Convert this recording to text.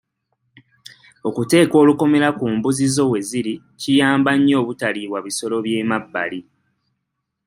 Okuteeka olukomera ku mbuzi zo we ziri kiyamba nnyo obutaliibwa bisolo by'emabbali.